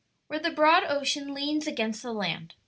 "Where the broad ocean leans against the land."